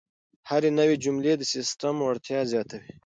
هره نوې جمله د سیسټم وړتیا زیاتوي.